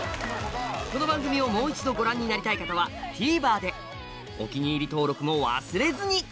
この番組をもう一度ご覧になりたい方はＴＶｅｒでお気に入り登録も忘れずに！